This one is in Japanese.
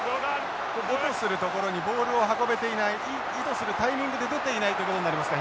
意図するところにボールを運べていない意図するタイミングで出ていないということになりますか。